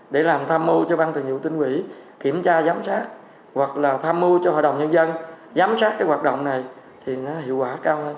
để làm tham mưu cho ban thường vụ tỉnh quỹ kiểm tra giám sát hoặc là tham mưu cho hội đồng nhân dân giám sát cái hoạt động này thì nó hiệu quả cao hơn